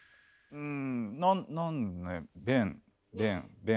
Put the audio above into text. うん。